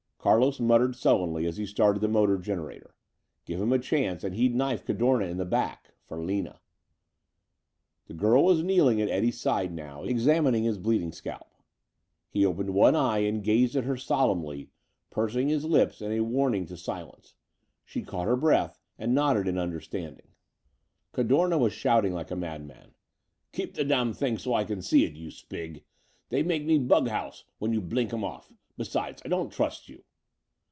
Carlos muttered sullenly as he started the motor generator. Give him a chance and he'd knife Cadorna in the back for Lina. The girl was kneeling at Eddie's side now, examining his bleeding scalp. He opened one eye and gazed at her solemnly, pursing his lips in a warning to silence. She caught her breath and nodded in understanding. Cadorna was shouting like a madman. "Keep the damn thing so I can see it, you spig! They make me bug house when you blink 'em off. Besides, I don't trust you."